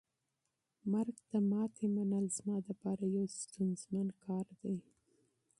مرګ ته تسلیمېدل زما د پاره یو ستونزمن کار دی.